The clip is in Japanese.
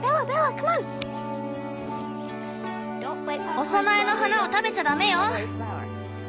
お供えの花を食べちゃダメよ！